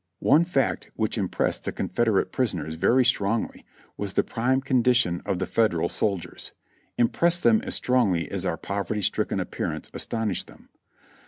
One fact which impressed the Confederate prisoners very strongly was the prime condition of the Federal soldiers — im pressed them as strongly as our poverty stricken appearance astonished them.